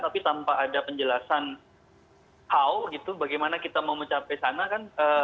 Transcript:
tapi tanpa ada penjelasan how gitu bagaimana kita mau mencapai sana kan